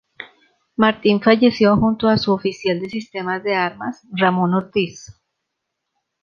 Martin falleció, junto a su oficial de sistemas de armas, Ramón Ortiz.